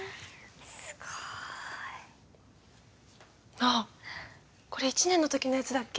すごーいあっこれ１年の時のやつだっけ？